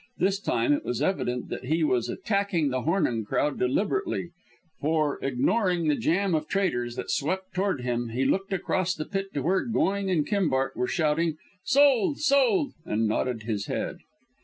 This time it was evident that he was attacking the Hornung crowd deliberately, for, ignoring the jam of traders that swept toward him, he looked across the pit to where Going and Kimbark were shouting "Sold! Sold!" and nodded his head.